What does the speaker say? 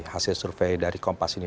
hasil survei dari kompas ini